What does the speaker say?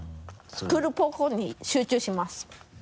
クールポコに集中します。